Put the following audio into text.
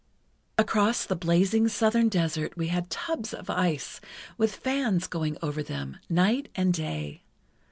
Across the blazing southern desert we had tubs of ice, with fans going over them, night and day.